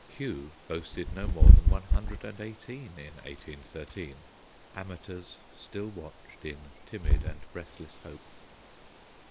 Kew boasted no more than one hundred and eighteen in 1813; amateurs still watched in timid and breathless hope.